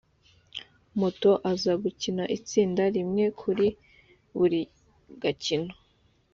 mato aza gukina itsinda rimwe kuri buri gakino